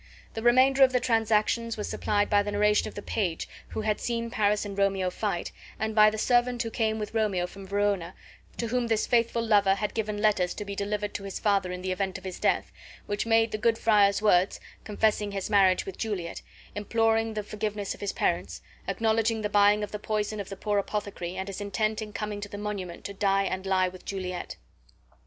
The remainder of the transactions was supplied by the narration of the page who had seen Paris and Romeo fight, and by the servant who came with Romeo from Verona, to whom this faithful lover had given letters to be delivered to his father in the event of his death, which made good the friar's words, confessing his marriage with Juliet, imploring the forgiveness of his parents, acknowledging the buying of the poison of the poor apothecary and his intent in coming to the monument to die and lie with Juliet.